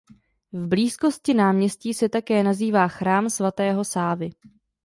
V blízkosti náměstí se také nachází Chrám svatého Sávy.